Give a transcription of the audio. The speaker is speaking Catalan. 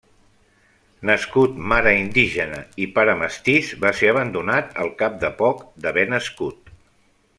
Nascut mare indígena i pare mestís, va ser abandonat al cap de poc d'haver nascut.